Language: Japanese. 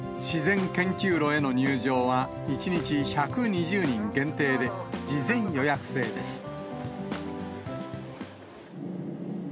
自然研究路への入場は、１日１２０人限定で、事前予約制です。